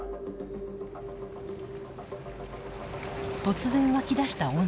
突然湧き出した温泉。